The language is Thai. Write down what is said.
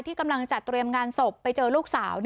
กำลังจัดเตรียมงานศพไปเจอลูกสาว